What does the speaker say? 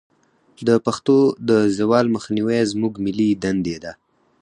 د پښتو د زوال مخنیوی زموږ ملي دندې ده.